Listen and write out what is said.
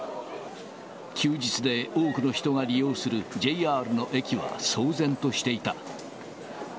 休日で多くの人が利用するＪＲの駅は騒然としていた。